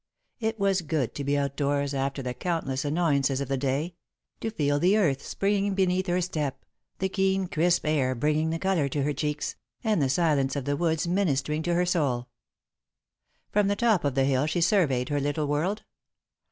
It was good to be outdoors after the countless annoyances of the day; to feel the earth springing beneath her step, the keen, crisp air bringing the colour to her cheeks, and the silence of the woods ministering to her soul. From the top of the hill she surveyed her little world.